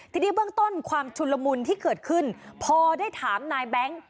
ทีนี้เบื้องต้นความชุนละมุนที่เกิดขึ้นพอได้ถามนายแบงค์